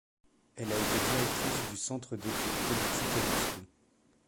Elle a été directrice du centre d'études politique à Moscou.